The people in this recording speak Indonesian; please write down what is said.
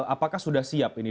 apakah sudah siap ini